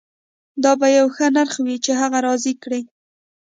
دا به یو ښه نرخ وي چې هغه راضي کړي